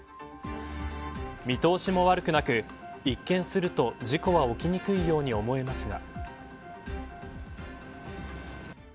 見通しも悪くなく一見すると、事故は起きにくいように思えますが。